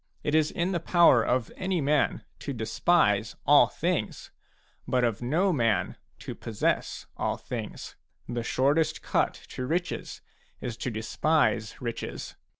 It is in the power of any man to despise all things, but of no man to possess all things. The shortest cut to riches is to despise riches.